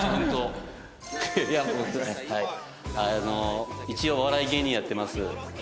はいあの一応お笑い芸人やってます。